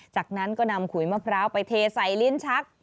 จากนั้นก็นำขุยมะพร้าวไปเทใส่ลิ้นชัก